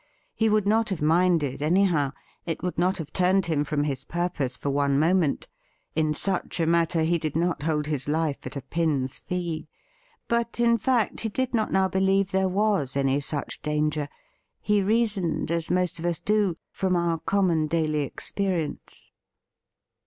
He would not have minded, anyhow ; it would not have turned him from his purpose for one moment ; in such a matter he did not hold his life at a pin's fee. But, in fact, he did not now believe there was any such danger. He reasoned, as most of us do, from our common daily experience.